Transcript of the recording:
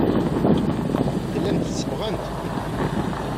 Tellamt tsebbɣemt.